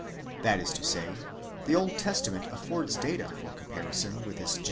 'That is to say, the Old Testament affords data for comparison with this genealogical.